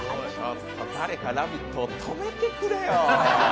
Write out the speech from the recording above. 誰か「ラヴィット！」を止めてくれよ。